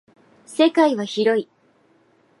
世界は広い。